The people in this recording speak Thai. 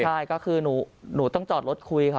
ใช่ก็คือหนูต้องจอดรถคุยค่ะ